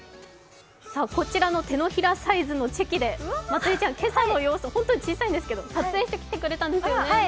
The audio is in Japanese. こちらの手のひらサイズのチェキでまつりちゃん、今朝の様子、撮影してきてくれたんですよね。